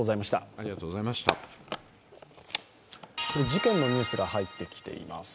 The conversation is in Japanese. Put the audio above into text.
事件のニュースが入ってきています。